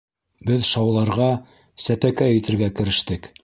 Беҙ шауларға, сәпәкәй итергә керештек.